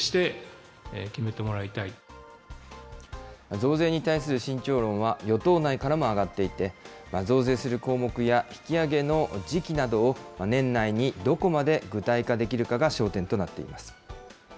増税に対する慎重論は、与党内からも上がっていて、増税する項目や引き上げの時期などを、年内にどこまで具体化できるかが焦点となっています。